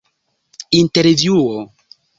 intervjuo